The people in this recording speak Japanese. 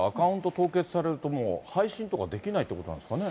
凍結されるともう、配信とかできないってことなんですかね。